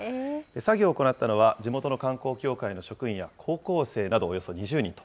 作業を行ったのは、地元の観光協会の職員や高校生などおよそ２０人と。